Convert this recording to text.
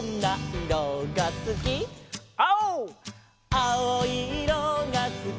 「あおいいろがすき」